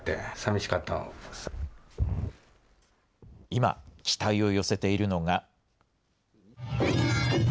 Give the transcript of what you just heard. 今、期待を寄せているのが。